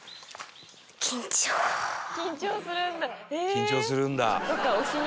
「緊張するんだ」